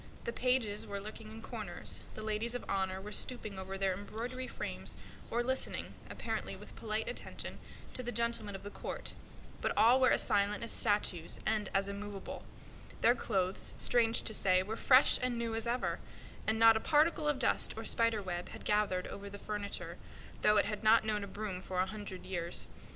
The pages were lurking in corners, the ladies of honor were stooping over their embroidery frames or listening to the gentlemen of the court; but all were as silent and as quiet as statues. Their clothes, strange to say, were fresh and new as ever; and not a particle of dust or spider web had gathered over the furniture, though it had not known a broom for a hundred years.